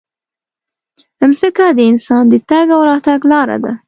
مځکه د انسان د تګ او راتګ لاره ده.